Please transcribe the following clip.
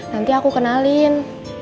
nanti aku kenalin